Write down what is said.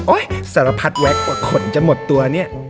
สารพัดแว็กกว่าขนจะหมดตัวเนี่ย